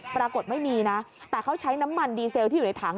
ปรากฏไม่มีนะแต่เขาใช้น้ำมันดีเซลที่อยู่ในถัง